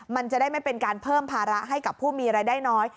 มันจะได้ไม่เป็นการเพิ่มภาระให้กับผู้มีรายได้น้อย